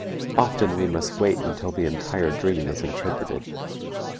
Often we must wait until the entire dream is interpreted.